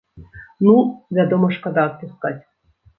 Ну, вядома шкада адпускаць.